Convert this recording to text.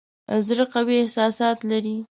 زړه قوي احساسات لري.